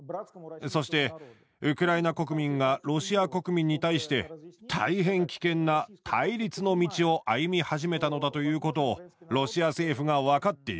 そしてウクライナ国民がロシア国民に対して大変危険な対立の道を歩み始めたのだということをロシア政府が分かっている。